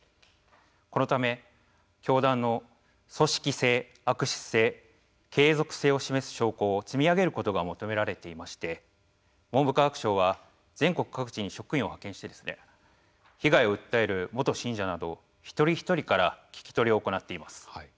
このため教団の組織性・悪質性継続性を示す証拠を積み上げることが求められていまして文部科学省は全国各地に職員を派遣して被害を訴える元信者など一人一人から聞き取りを行っています。